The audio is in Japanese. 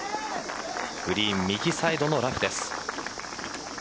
グリーン右サイドのラフです。